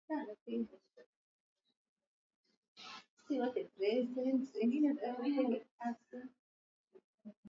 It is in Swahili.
Tuki ba saidia sana ba mama kwa mawazo yabo bata weza